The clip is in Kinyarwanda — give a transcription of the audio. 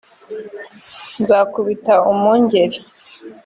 nzakubita umwungeri .